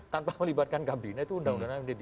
kalau melibatkan kabinet itu undang undangnya md tiga